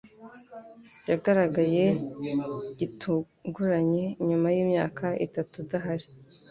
Yagaragaye gitunguranye nyuma yimyaka itatu adahari.